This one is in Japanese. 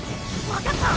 分かった！